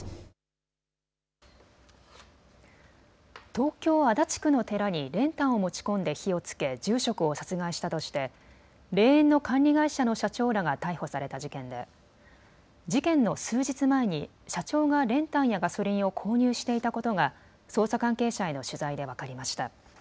東京足立区の寺に練炭を持ち込んで火をつけ住職を殺害したとして霊園の管理会社の社長らが逮捕された事件で事件の数日前に社長が練炭やガソリンを購入していたことが捜査関係者への取材で分かりました。